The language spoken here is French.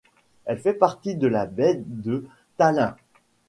Elle fait partie de la baie de Tallinn.